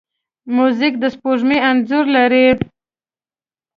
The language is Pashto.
موزیک د سپوږمۍ انځور لري.